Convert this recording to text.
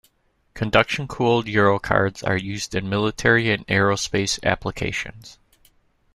Conduction-cooled Eurocards are used in military and aerospace applications.